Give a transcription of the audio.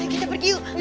kita pergi yuk